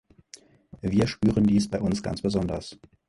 Wir spüren dies bei uns ganz besonders.